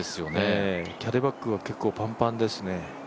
キャディーバッグが結構パンパンですね。